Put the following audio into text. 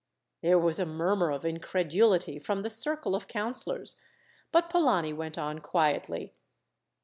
There was a murmur of incredulity from the circle of councillors, but Polani went on quietly.